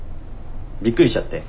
びっくりしちゃって。